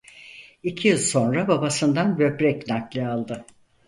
İki yıl sonra babasından böbrek nakli aldı.